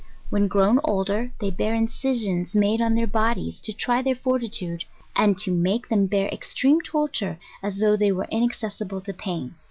When grown older they bear in cisions made on their bodies to try their fortitude, and to make them bear extreme torture as tho' they were inaccessi ble to pain.